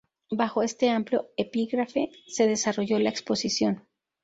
Bajo este amplio epígrafe se desarrolló la Exposición.